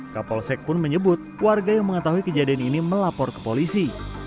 kapolsek pun menyebut warga yang mengetahui kejadian ini melapor ke polisi